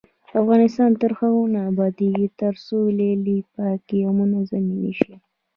افغانستان تر هغو نه ابادیږي، ترڅو لیلیې پاکې او منظمې نشي.